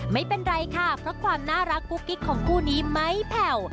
ไม่เป็นไรค่ะเพราะความน่ารักกุ๊กกิ๊กของคู่นี้ไม่แผ่ว